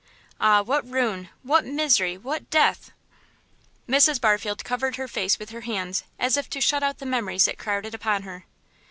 Ah, what ruin, what misery, what death!" Mrs. Barfield covered her face with her hands, as if to shut out the memories that crowded upon her.